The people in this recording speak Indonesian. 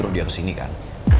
terus dia kesini kan